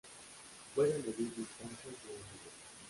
Puede medir distancias y ángulos.